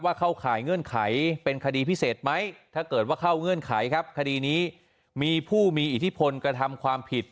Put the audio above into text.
เข้าข่ายเงื่อนไขเป็นคดีพิเศษไหมถ้าเกิดว่าเข้าเงื่อนไขครับคดีนี้มีผู้มีอิทธิพลกระทำความผิด